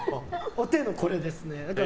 お手もこれですね。